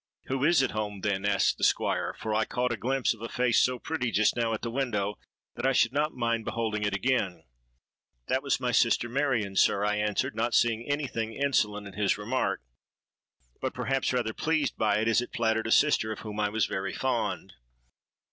'Who is at home, then?' asked the Squire; 'for I caught a glimpse of a face so pretty just now at the window, that I should not mind beholding it again.'—'That was my sister, Marion, sir,' I answered, not seeing any thing insolent in his remark; but, perhaps, rather pleased by it, as it flattered a sister of whom I was very fond.